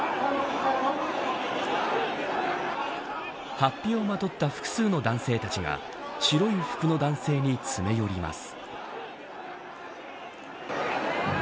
法被をまとった複数の男性たちが白い服の男性に詰め寄ります。